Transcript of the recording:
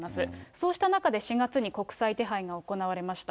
そうした中で４月に国際手配が行われました。